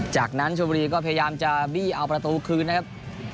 จากนั้นชมบุรีก็พยายามจะบี้เอาประตูคืนนะครับ